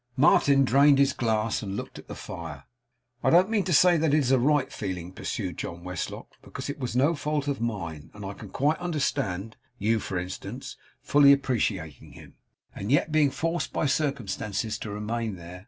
Martin drained his glass, and looked at the fire. 'I don't mean to say that is a right feeling,' pursued John Westlock 'because it was no fault of mine; and I can quite understand you for instance, fully appreciating him, and yet being forced by circumstances to remain there.